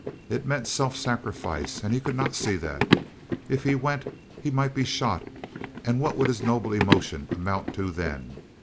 It meant self sacrifice, and he could not see that. If he went he might be shot, and what would his noble emotion amount to then?